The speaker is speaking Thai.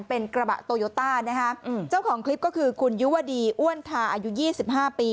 เป็นกระบะโตโยต้านะคะเจ้าของคลิปก็คือคุณยุวดีอ้วนทาอายุ๒๕ปี